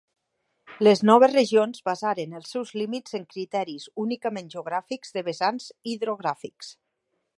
Les noves regions basaren els seus límits en criteris únicament geogràfics de vessants hidrogràfics.